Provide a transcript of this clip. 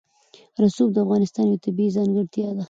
رسوب د افغانستان یوه طبیعي ځانګړتیا ده.